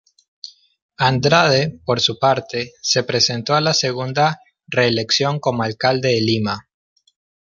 Andrade, por su parte, se presentó a la segunda reelección como Alcalde de Lima.